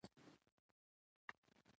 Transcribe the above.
په لیدو دي ډېر خوښ شوم